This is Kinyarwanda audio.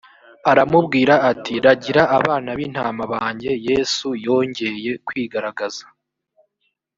aramubwira ati ragira abana b intama banjye yesu yongeye kwigaragaza